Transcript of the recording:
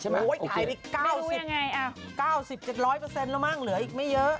ใช่ไหมโอเคไม่รู้ยังไงอ้าว๙๐๗๐๐แล้วมั่งเหลืออีกไม่เยอะ